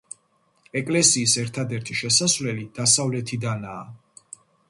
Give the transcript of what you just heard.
ეკლესიის ერთადერთი შესასვლელი დასავლეთიდანაა.